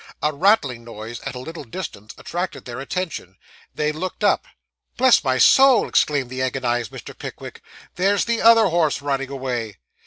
A rattling noise at a little distance attracted their attention. They looked up. 'Bless my soul!' exclaimed the agonised Mr. Pickwick; 'there's the other horse running away!